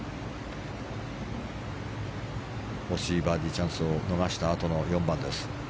惜しいバーディーチャンスを逃したあとの４番です。